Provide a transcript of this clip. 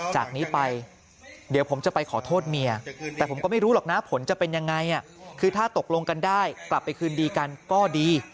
จากนี้ไปเดี๋ยวผมจะไปขอโทษเมียแต่ผมก็ไม่รู้หรอกนะผลจะเป็นยังไงคือถ้าตกลงกันได้กลับไปคืนดีกันก็ดี